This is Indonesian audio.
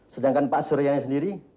sedangkan pak suryanya sendiri